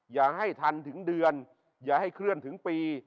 อย่าให้ทันถึงเดือนอย่าให้เคลื่อนถึงปี